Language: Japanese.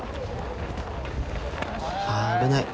危ない。